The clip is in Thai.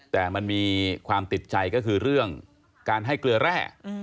แต่มันมีความติดใจก็คือเรื่องการให้เกลือแร่